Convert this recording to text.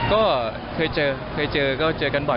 ก็เคยเจอจบเจอกันบ่อย